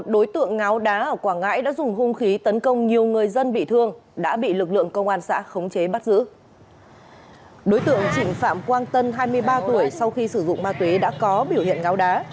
đối tượng trịnh phạm quang tân hai mươi ba tuổi sau khi sử dụng ma túy đã có biểu hiện ngáo đá